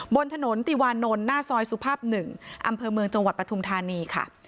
บนถนนติวานนท์หน้าซอยสุภาพ๑อำเภอเมืองจังหวัดปฐุมธานีค่ะ